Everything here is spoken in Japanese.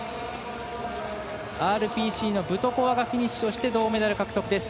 ＲＰＣのブトコワがフィニッシュして銅メダル獲得です。